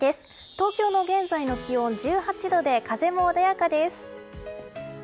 東京の現在の気温１８度で風も穏やかです。